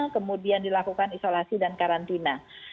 kemudian dilakukan isolasi dan karantina